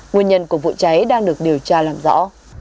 nguyên nhân của vụ cháy đang được điều tra làm rõ